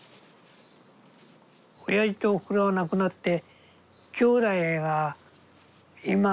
おやじとおふくろは亡くなってきょうだいが今６人かな。